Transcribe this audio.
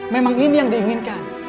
memang ini yang diinginkan